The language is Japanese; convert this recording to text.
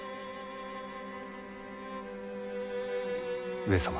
上様。